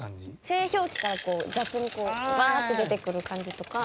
製氷機から雑にこうバーッて出てくる感じとか。